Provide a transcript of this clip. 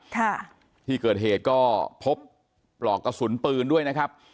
ค่ะที่เกิดเหตุก็พบปลอกกระสุนปืนด้วยนะครับ